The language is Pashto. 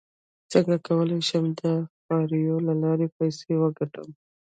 څنګه کولی شم د فایور له لارې پیسې وګټم